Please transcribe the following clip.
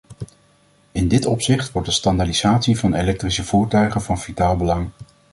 In dit opzicht wordt de standaardisatie van elektrische voertuigen van vitaal belang.